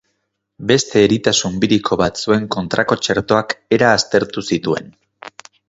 Beste eritasun biriko batzuen kontrako txertoak era aztertu zituen.